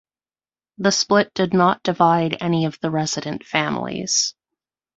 The split did not divide any of the resident families.